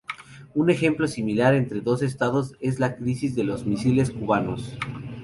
Un ejemplo similar entre dos estados es la crisis de los misiles cubanos.